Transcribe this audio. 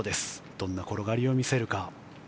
どんな転がりを見せるか。